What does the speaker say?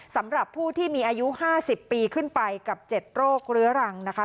สำหรับผู้ที่มีอายุ๕๐ปีขึ้นไปกับ๗โรคเรื้อรังนะคะ